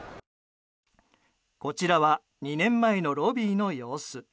こちらは２年前のロビーの様子。